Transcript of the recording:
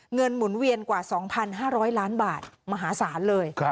หมุนเวียนกว่า๒๕๐๐ล้านบาทมหาศาลเลย